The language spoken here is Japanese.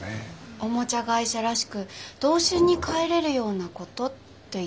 おもちゃ会社らしく童心に返れるようなことって言ってましたよね。